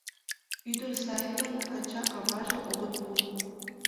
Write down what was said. Ӱдыр сае гын, ача-аваже огыт пу.